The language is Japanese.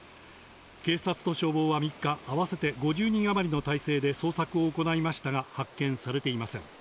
警察と消防は３日、合わせて５０人余りの態勢で捜索を行いましたが、発見されていません。